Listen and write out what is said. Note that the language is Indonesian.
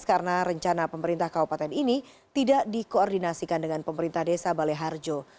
karena rencana pemerintah kabupaten ini tidak dikoordinasikan dengan pemerintah desa baleharjo